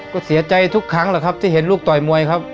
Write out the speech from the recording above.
ก็เสียใจทุกครั้งแหละครับที่เห็นลูกต่อยมวยครับ